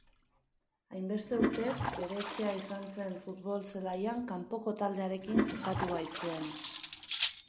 Hainbeste urtez, bere etxea izan zen futbol zelaian kanpoko taldearekin jokatu baitzuen.